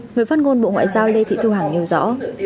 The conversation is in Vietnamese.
người phát ngôn bộ ngoại giao lê thị thu hằng nêu rõ